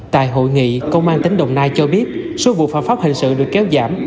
tại hội nghị công an tỉnh đồng nai cho biết số vụ phạm pháp hình sự được kéo giảm